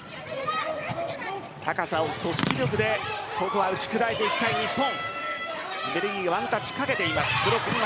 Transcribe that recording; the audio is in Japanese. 高さを組織力で打ち砕いていきたい日本。